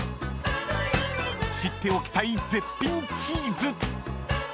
［知っておきたい絶品チーズ］